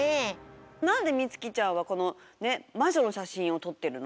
なんでみつきちゃんはこのまじょのしゃしんをとってるの？